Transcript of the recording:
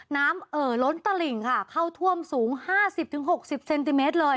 น้ำเอ๋อล้นตะหลิงค่ะเข้าท่วมสูงห้าสิบถึงหกสิบเซนติเมตรเลย